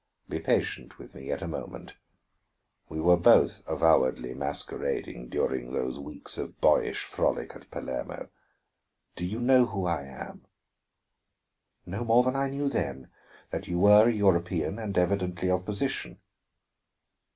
"Be patient with me yet a moment. We were both avowedly masquerading during those weeks of boyish frolic at Palermo; do you know who I am?" "No more than I knew then: that you were a European, and evidently of position."